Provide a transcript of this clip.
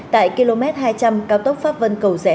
tại km hai trăm linh cao tốc pháp vân cầu rẽ